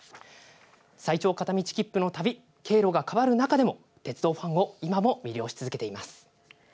最長片道切符の旅経路が変わる中での鉄道ファンを今も魅了し続けています。